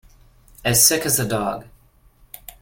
As sick as a dog.